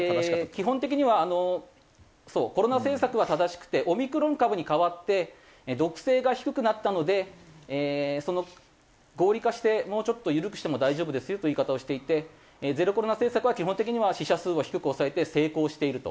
基本的にはそうコロナ政策は正しくてオミクロン株に変わって毒性が低くなったので合理化してもうちょっと緩くしても大丈夫ですよという言い方をしていてゼロコロナ政策は基本的には死者数を低く抑えて成功していると。